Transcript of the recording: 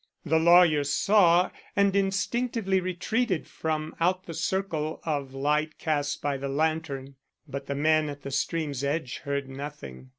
The lawyer saw and instinctively retreated from out the circle of light cast by the lantern; but the men at the stream's edge heard nothing.